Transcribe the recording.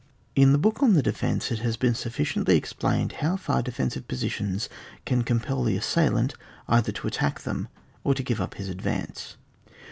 In the book on the defence, it has been sufficiently explained how far defensive positions can compel the assailant either to attack them, or to give up his advance.